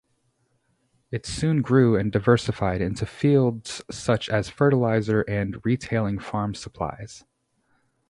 It soon grew and diversified into fields such as fertilizer and retailing farm supplies.